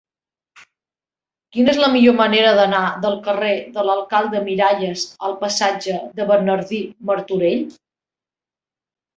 Quina és la millor manera d'anar del carrer de l'Alcalde Miralles al passatge de Bernardí Martorell?